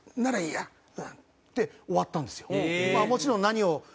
で終わったんですよ。